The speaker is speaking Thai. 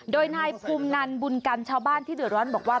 โดยนายภูมินันบุญกันชาวบ้านที่เดือดร้อนบอกว่า